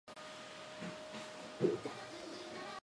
私の気持ちは変わらないよ